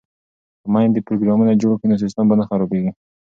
که میندې پروګرامونه جوړ کړي نو سیسټم به نه خرابیږي.